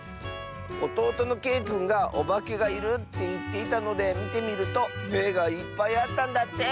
おとうとのけいくんがおばけがいるっていっていたのでみてみるとめがいっぱいあったんだって！